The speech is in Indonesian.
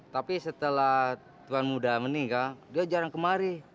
tapi setelah tuhan muda meninggal dia jarang kemari